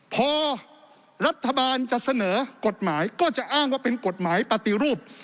พอรัฐบาลจะเสนอกฎหมายก็จะอ้างว่าเป็นกฎหมายปฏิรูป